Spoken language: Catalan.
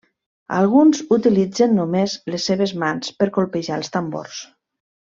Alguns utilitzen només les seves mans per colpejar els tambors.